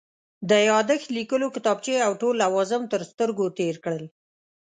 د یادښت لیکلو کتابچې او ټول لوازم تر سترګو تېر کړل.